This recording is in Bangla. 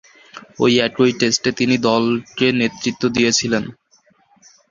ঐ একই টেস্টে তিনি দলকে নেতৃত্ব দিয়েছিলেন।